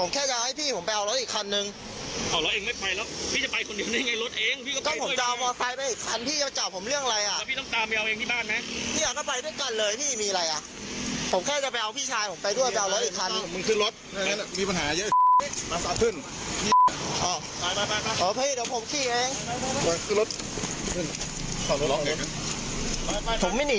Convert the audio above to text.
ขึ้นรถมีปัญหาเยอะ